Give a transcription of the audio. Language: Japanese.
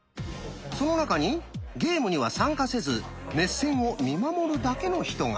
その中にゲームには参加せず熱戦を見守るだけの人が。